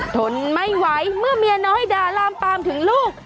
ทนไม่ไหวเมื่อเมียน้อยด่าลามปามถึงลูก